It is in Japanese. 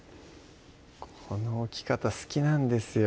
この置き方好きなんですよ